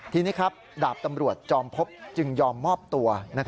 ทีนี้ครับดาบตำรวจจอมพบจึงยอมมอบตัว